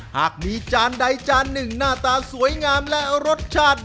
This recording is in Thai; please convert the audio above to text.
หากมีจานใดจานหนึ่งหน้าตาสวยงามและรสชาติ